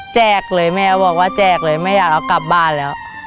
เลยแม่บอกว่าแจกเลยไม่อยากเอากลับบ้านแล้ว